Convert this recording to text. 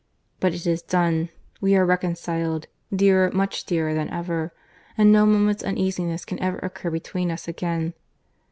But it is done; we are reconciled, dearer, much dearer, than ever, and no moment's uneasiness can ever occur between us again.